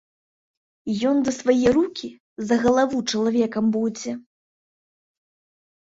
Ён за свае рукі, за галаву чалавекам будзе.